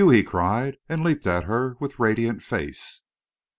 he cried, and leaped at her with radiant face.